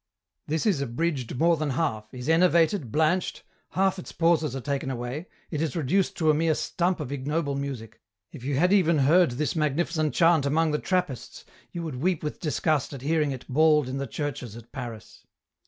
This is abridged more than half, is enervated, blanched, half its pauses are taken away, it is reduced to a mere stump of ignoble music, if you had even heard this magnificent chant among the Trappists, you would weep with disgust at hearing it bawled in the churches at Paris.